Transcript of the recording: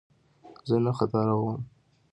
زه نه ختاوزم !